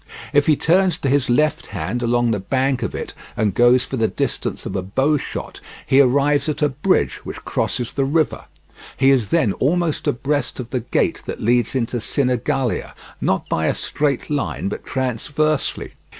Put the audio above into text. If he turns to his left hand along the bank of it, and goes for the distance of a bow shot, he arrives at a bridge which crosses the river; he is then almost abreast of the gate that leads into Sinigalia, not by a straight line, but transversely.